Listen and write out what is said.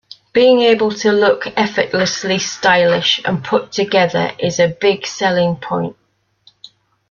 Being able to look effortlessly stylish and put together is a big selling point.